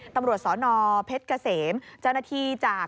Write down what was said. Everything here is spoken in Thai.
ตำรวจสนเพชรเกษมเจ้าหน้าที่จาก